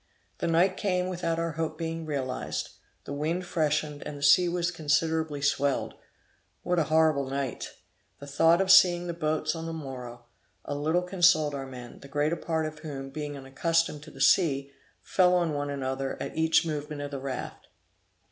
The night came without our hope being realized; the wind freshened, and the sea was considerably swelled. What a horrible night! The thought of seeing the boats on the morrow, a little consoled our men, the greater part of whom, being unaccustomed to the sea, fell on one another at each movement of the raft.